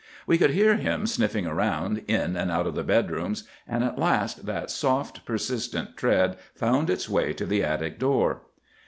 "We could hear him sniffing around, in and out of the bedrooms, and at last that soft, persistent tread found its way to the attic door.